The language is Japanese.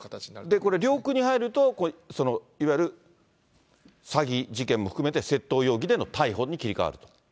これ、領空に入ると、いわゆる詐欺事件も含めて窃盗容疑での逮捕に切り替わると？